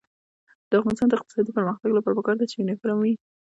د افغانستان د اقتصادي پرمختګ لپاره پکار ده چې یونیفورم وي.